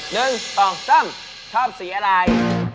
หนึ่งสองส้มชอบสีอะไร